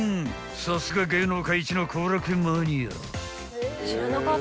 ［さすが芸能界一の幸楽苑マニア］